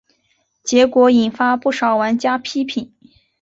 结果引发不少玩家批评。